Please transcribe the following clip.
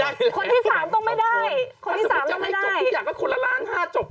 ถ้าสมมติจะให้จบที่อยากก็คนละล้าน๕จบ